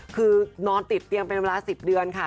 คือนอนติดเตียงเป็นเวลา๑๐เดือนค่ะ